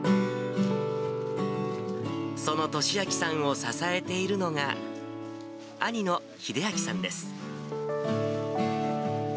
その知明さんを支えているのが、兄の英明さんです。